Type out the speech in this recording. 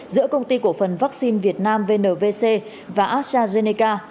giữa công ty cổ phần vaccine việt nam vnvc và astrazeneca